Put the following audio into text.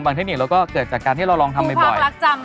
บางเทคนิคเราก็เกิดจากการที่เรารองทำบ่อย